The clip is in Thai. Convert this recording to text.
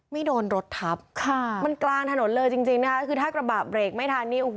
ไม่โดนรถทับมันกลางถนนเลยจริงคือถ้ากระบะเบรกไม่ทัน